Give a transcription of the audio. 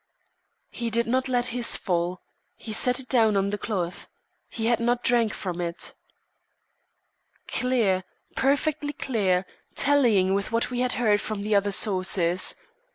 "He did not let his fall. He set it down on the cloth. He had not drank from it." Clear, perfectly clear tallying with what we had heard from other sources.